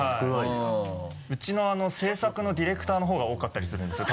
ウチの制作のディレクターの方が多かったりするんですよ